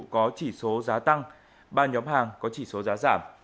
có chỉ số giá tăng ba nhóm hàng có chỉ số giá giảm